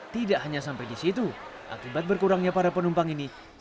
tidak hanya sampai di situ akibat berkurangnya para penumpang ini